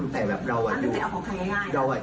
ก็เป็นใจเอาของใครง่าย